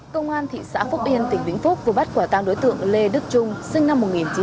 công an thị xã phúc yên tỉnh vĩnh phúc vừa bắt quả tang đối tượng lê đức trung sinh năm một nghìn chín trăm tám mươi